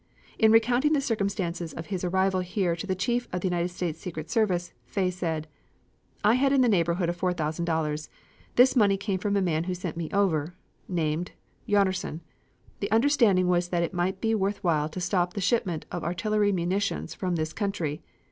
In recounting the circumstances of his arrival here to the chief of the United States secret service, Fay said: ".. .I had in the neighborhood of $4,000.... This money came from a man who sent me over ... (named) Jonnersen. The understanding was that it might be worth while to stop the shipment of artillery munitions from this country.